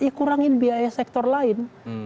ya kurangin biaya sektor lain